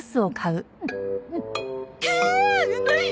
うまい！